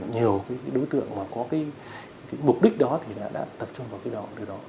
nhiều đối tượng có mục đích đó thì đã tập trung vào cái đó